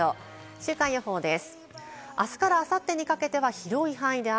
週間予報です。